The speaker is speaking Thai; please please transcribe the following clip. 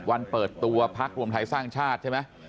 เปิดตัวพักรวมไทยสร้างชาติใช่ไหม